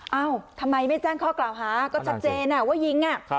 เอ้าทำไมไม่แจ้งข้อกล่าวหาก็ชัดเจนว่ายิง